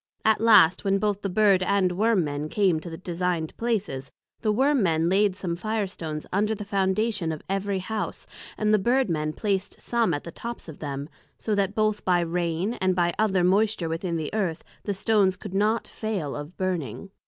At last when both the Bird and Worm men came to the designed places, the Worm men laid some Fire stones under the Foundation of every House, and the Bird men placed some at the tops of them, so that both by rain, and by some other moisture within the Earth, the stones could not fail of burning.